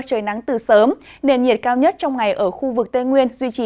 trời nắng từ sớm nền nhiệt cao nhất trong ngày ở khu vực tây nguyên duy trì